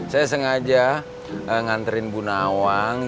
saya sengaja nganterin bu nawang